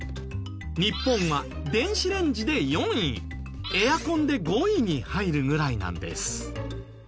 日本は電子レンジで４位エアコンで５位に入るぐらいなんです。